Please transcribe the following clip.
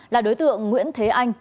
là đối tượng nguyễn thế anh